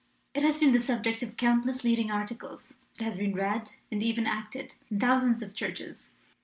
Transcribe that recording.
It has been the subject of countless leading articles; it has been read, and even acted, in thousands of churches.